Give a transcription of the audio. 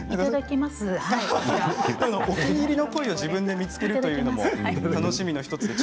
お気に入りのコイを見つけるというのも楽しみの１つです。